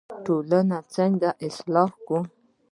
ټولنه څنګه اصلاح کړو؟